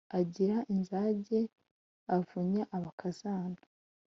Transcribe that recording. Agira inzage avunya abakazana,